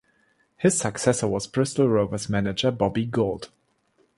His successor was Bristol Rovers manager Bobby Gould.